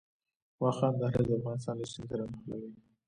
واخان دهلیز افغانستان له چین سره نښلوي